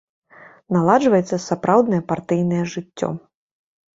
Наладжваецца сапраўднае партыйнае жыццё.